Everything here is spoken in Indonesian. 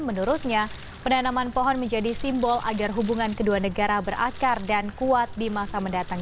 menurutnya penanaman pohon menjadi simbol agar hubungan kedua negara berakar dan kuat di masa mendatang